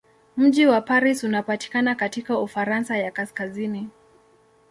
Mji wa Paris unapatikana katika Ufaransa ya kaskazini.